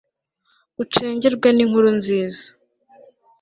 ucengerwe n'inkuru nziza